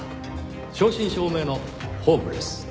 正真正銘のホームレス。